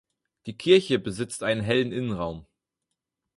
Die Kirche besitzt einen hellen Innenraum.